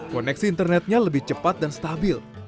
koneksi internetnya lebih cepat dan stabil